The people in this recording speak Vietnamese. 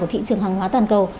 của thị trường hàng hóa toàn cầu